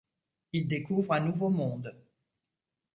Il découvre un nouveau monde.